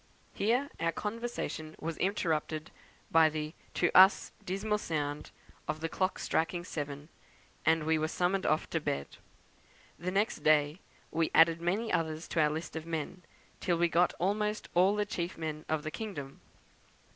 Here our conversation was interrupted by the, to us, dismal sound of the clock striking seven, and we were summoned off to bed. The next day we added many others to our list of men, till we got almost all the chief men of the kingdom.